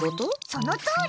そのとおり！